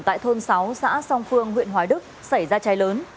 tại thôn sáu xã song phương huyện hoài đức xảy ra cháy lớn